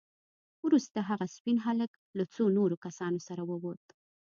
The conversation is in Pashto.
وروسته هغه سپين هلک له څو نورو کسانو سره ووت.